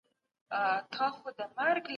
نوي لاري د څېړونکي لخوا وموندل سوي.